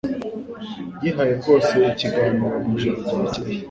Yihaye rwose ikiganiro mu ijoro ryakeye;